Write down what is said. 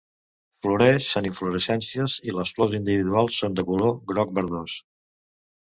Floreix en inflorescències i les flors individuals són de color groc verdós.